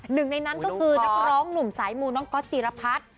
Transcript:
หนึ่งในนั้นก็คือนักร้องหนุ่มสายมูน้องก๊อตจิรพัฒน์